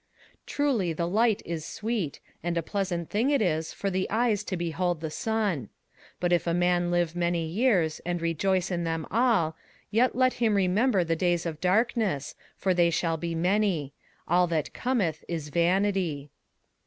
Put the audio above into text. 21:011:007 Truly the light is sweet, and a pleasant thing it is for the eyes to behold the sun: 21:011:008 But if a man live many years, and rejoice in them all; yet let him remember the days of darkness; for they shall be many. All that cometh is vanity.